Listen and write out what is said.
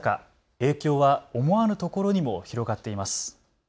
影響は思わぬところにも広がっています。